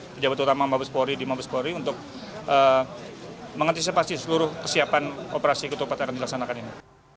kejabat utama mabes polri di mabes polri untuk mengantisipasi seluruh kesiapan operasi ketopatan yang dilaksanakan ini